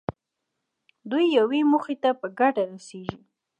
دوی یوې موخې ته په ګډه رسېږي.